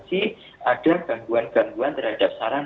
jadi itu potensi ada gangguan gangguan terhadap saran